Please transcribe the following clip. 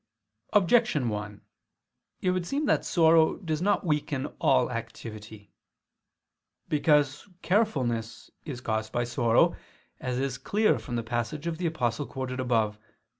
Objection 1: It would seem that sorrow does not weaken all activity. Because carefulness is caused by sorrow, as is clear from the passage of the Apostle quoted above (A.